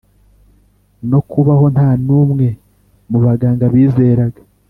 nokubaho ntanumwe mubaganga bizeraga